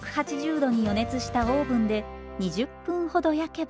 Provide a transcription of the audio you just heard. ℃に予熱したオーブンで２０分ほど焼けば。